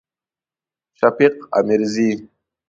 شفیق امیرزی